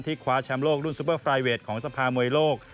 คว้าแชมป์โลกรุ่นซูเปอร์ไฟเวทของสภามวยโลก